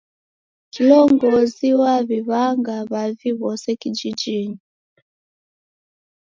Kilongozi waw'iw'anga w'avi w'ose kijijinyi.